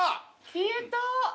消えた。